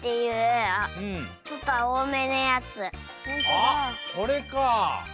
あっこれか！